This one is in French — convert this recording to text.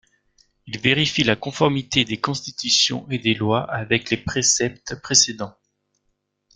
Il vérifie la conformité des constitutions et des lois avec les préceptes précédents.